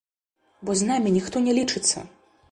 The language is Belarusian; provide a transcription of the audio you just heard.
Бо з намі ніхто не лічыцца!